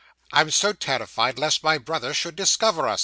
I am so terrified, lest my brother should discover us!